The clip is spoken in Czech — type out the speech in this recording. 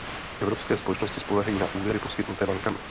Evropské společnosti spoléhají na úvěry poskytnuté bankami.